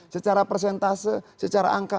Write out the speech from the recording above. secara persentase secara angka